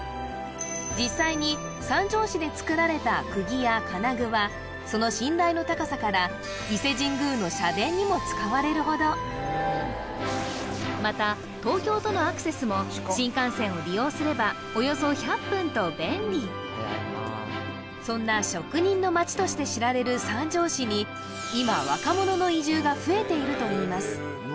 実際に三条市で作られたくぎや金具はその信頼の高さから伊勢神宮の社殿にも使われるほどまた東京とのアクセスも新幹線を利用すればおよそ１００分と便利そんな職人の町として知られる三条市に今若者の移住が増えているといいます